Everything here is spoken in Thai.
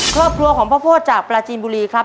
ครอบครัวของพ่อโพธิจากปลาจีนบุรีครับ